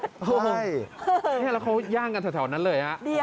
นี่แล้วเขาย่างกันแถวนั้นเลยฮะ